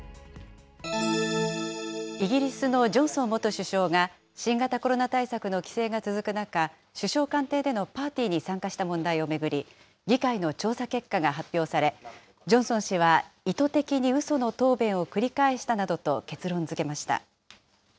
イギリスのジョンソン元首相が、新型コロナ対策の規制が続く中、首相官邸でのパーティーに参加した問題を巡り、議会の調査結果が発表され、ジョンソン氏は意図的にうその答弁を繰り返したなどと結論づけました。